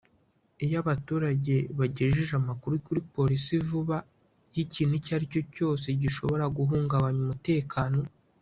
Iyo abaturage bagejeje amakuru kuri Polisi vuba y’ikintu icyo aricyo cyose gishobora guhungabanya umutekano